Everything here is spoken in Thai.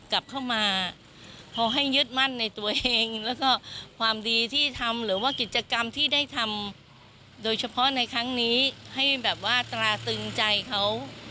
กลับเข้ามาพอให้ยึดมั่นในตัวเองแล้วก็ความดีที่ทำหรือว่ากิจกรรมที่ได้ทำโดยเฉพาะในครั้งนี้ให้แบบว่าตราตึงใจเขา